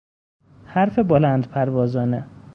حرف بلند پروازانه